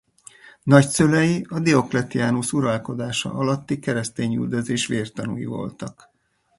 Nagyszülei a Diocletianus uralkodása alatti keresztényüldözés vértanúi voltak.